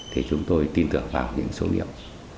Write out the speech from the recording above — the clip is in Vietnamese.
thì chúng tôi tin tưởng vào những số điểm